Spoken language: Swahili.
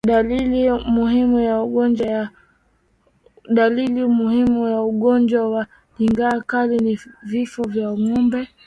Dalili muhimu ya ugonjwa wa ndigana kali ni vifo vya ngombe